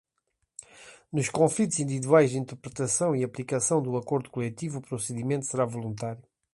Nos conflitos individuais de interpretação e aplicação do Acordo Coletivo, o procedimento será voluntário.